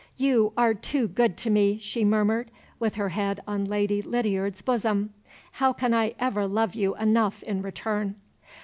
"You are too good to me," she murmured, with her head on Lady Lydiard's bosom. "How can I ever love you enough in return?"